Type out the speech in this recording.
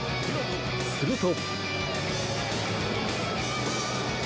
すると。